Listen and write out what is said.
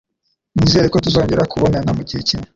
Nizere ko tuzongera kubonana mugihe kimwe.